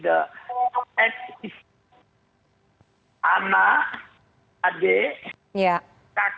anak adik kakak